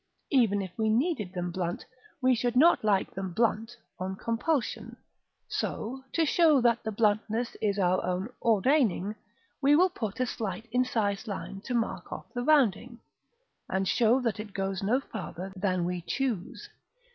Even if we needed them blunt, we should not like them blunt on compulsion; so, to show that the bluntness is our own ordaining, we will put a slight incised line to mark off the rounding, and show that it goes no farther than we choose.